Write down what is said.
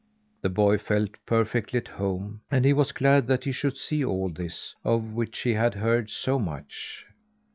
The boy felt perfectly at home, and he was glad that he should see all this of which he had heard so much.